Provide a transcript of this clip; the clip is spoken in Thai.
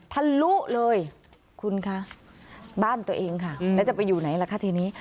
ทะลุเลยคุณคะบ้านตัวเองค่ะแล้วจะไปอยู่ไหนล่ะคะทีนี้